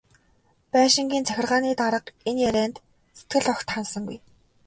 Байшингийн захиргааны дарга энэ ярианд сэтгэл огт ханасангүй.